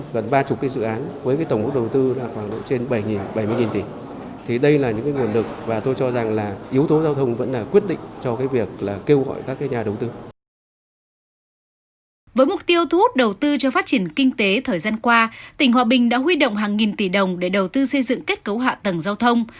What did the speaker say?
với mục tiêu thu hút đầu tư cho phát triển kinh tế thời gian qua tỉnh hòa bình đã huy động hàng nghìn tỷ đồng để đầu tư xây dựng kết cấu hạ tầng giao thông